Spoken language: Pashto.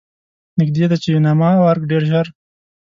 نږدې ده چې یوناما او ارګ ډېر ژر.